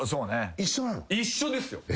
一緒ですよ。